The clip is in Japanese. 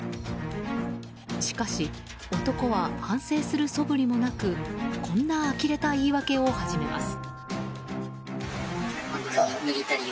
しかし男は反省するそぶりもなくこんなあきれた言い訳を始めます。